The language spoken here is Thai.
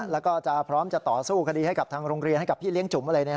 แล้วก็จะพร้อมจะต่อสู้คดีให้กับทางโรงเรียนให้กับพี่เลี้ยจุ๋มอะไร